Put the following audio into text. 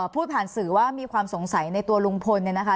พูดผ่านสื่อว่ามีความสงสัยในตัวลุงพลเนี่ยนะคะ